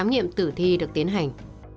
công tác khám nghiệm tử thi được tiến hành